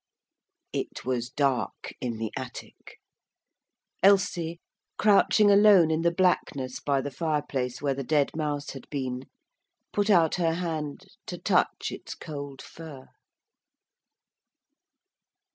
It was dark in the attic. Elsie crouching alone in the blackness by the fireplace where the dead mouse had been, put out her hand to touch its cold fur.